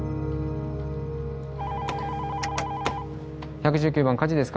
☎１１９番火事ですか？